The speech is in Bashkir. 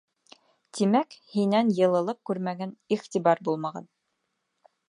Тимәк, һинән йылылыҡ күрмәгән, иғтибар булмаған.